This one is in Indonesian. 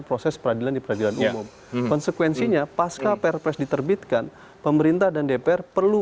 proses peradilan dipercayaan konsekuensinya pasca prps diterbitkan pemerintah dan dpr perlu